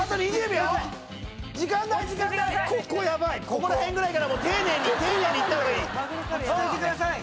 ここら辺ぐらいから丁寧にいった方がいい。